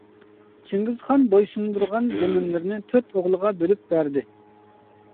چىڭگىزخان بويسۇندۇرغان زېمىنلىرىنى تۆت ئوغلىغا بۆلۈپ بەردى.